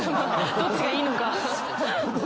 どっちがいいのか。